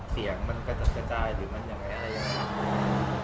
เสียงมันกระจัดกระจายหรือมันยังไงอะไรอย่างนั้นครับ